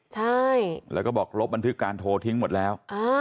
ใช่แล้วก็บอกลบบันทึกการโทรทิ้งหมดแล้ว